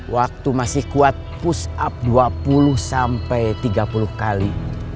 waktu masih kuat push up dua puluh sampai tiga puluh kali